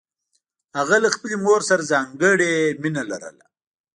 هغه له خپلې مور سره ځانګړې مینه لرله